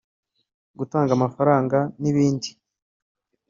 gutanga amafaranga n’ibindi